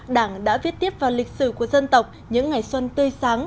đảng đã viết tiếp vào lịch sử của dân tộc những ngày xuân tươi sáng